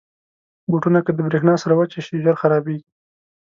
بوټونه که د برېښنا سره وچه شي، ژر خرابېږي.